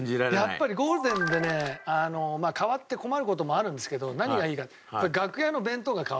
やっぱりゴールデンでね変わって困る事もあるんですけど何がいいかって楽屋の弁当が変わるんだね。